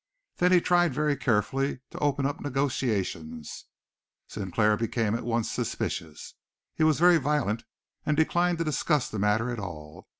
Then he tried very carefully to open up negotiations. Sinclair became at once suspicious. He was very violent, and declined to discuss the matter at all.